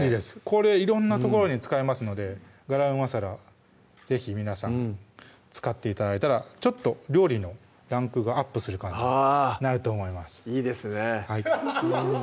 これ色んなところに使えますのでガラムマサラ是非皆さん使って頂いたらちょっと料理のランクがアップする感じになると思いますいいですね